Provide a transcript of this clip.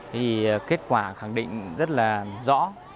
thì kết quả khẳng định rất là rõ